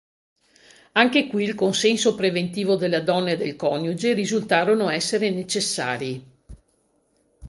Anche qui il consenso preventivo della donna e del coniuge risultarono essere necessari.